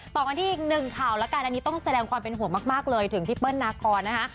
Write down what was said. ต่อกันที่อีกหนึ่งข่าวแล้วกันอันนี้ต้องแสดงความเป็นห่วงมากเลยถึงพี่เปิ้ลนาคอนนะคะ